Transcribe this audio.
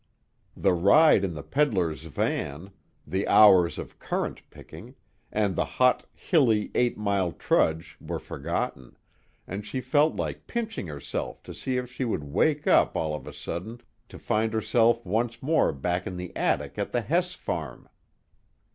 The ride in the pedler's van, the hours of currant picking, and the hot, hilly, eight mile trudge were forgotten, and she felt like pinching herself to see if she would wake up all of a sudden to find herself once more back in the attic at the Hess farm.